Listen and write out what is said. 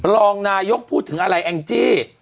รองนายกพูดถึงอะไรแองจี้